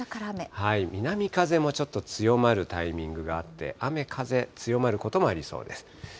南風もちょっと強まるタイミングがあって、雨風強まることもありそうです。